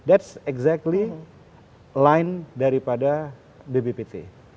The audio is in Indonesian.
itu benar benar line daripada bppt